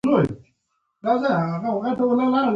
پري ګلې وويل چې پلار ته ووايه چې موږ دا خبره غوڅوو